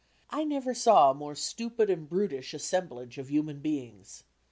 I never saw a more stupid and brutish assemblage of human beings.